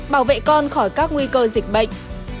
bảo vệ con khỏi các nguy cơ dịch bệnh